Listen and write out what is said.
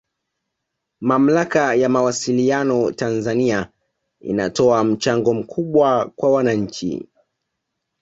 Mamlaka ya Mawasiliano Tanzania inatoa mchango mkubwa kwa wananchi